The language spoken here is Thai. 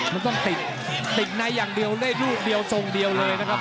มันต้องติดติดในอย่างเดียวได้ลูกเดียวทรงเดียวเลยนะครับ